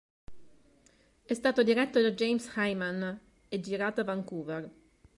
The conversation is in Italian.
È stato diretto da James Hayman e girato a Vancouver.